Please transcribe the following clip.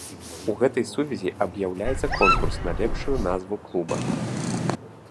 У гэтай сувязі аб'яўляецца конкурс на лепшую назву клуба.